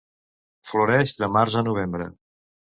Floreix de març a novembre.